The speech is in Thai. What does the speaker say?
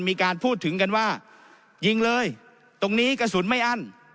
มีการพูดถึงกันว่ายิงเลยตรงนี้กระสุนไม่อั้น